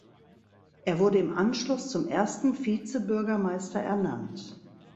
Er wurde im Anschluss zum ersten Vizebürgermeister ernannt.